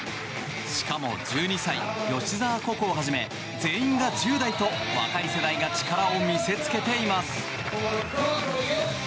しかも１２歳、吉沢恋をはじめ全員が１０代と若い世代が力を見せつけています。